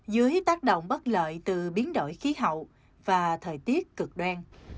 dưới tác động bất lợi từ biến đổi khí hậu và thời tiết cực đoan